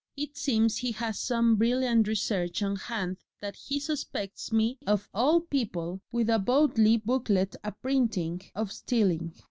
It seems he has some brilliant research on hand that he suspects me of all people with a Bodley Booklet a printing! of stealing.